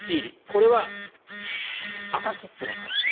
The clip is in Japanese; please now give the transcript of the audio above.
これは赤切符の可能性。